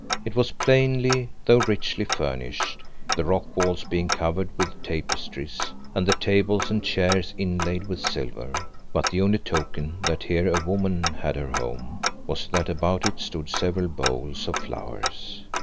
It was plainly though richly furnished, the rock walls being covered with tapestries, and the tables and chairs inlaid with silver, but the only token that here a woman had her home was that about it stood several bowls of flowers.